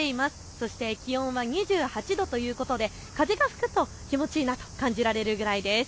そして気温は２８度ということで風が吹くと気持ちいいなと感じられるくらいです。